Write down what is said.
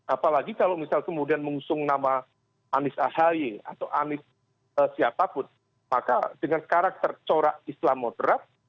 apalagi kalau misal kemudian mengusung nama anies ahaye atau anies siapapun maka dengan karakter corak islam moderat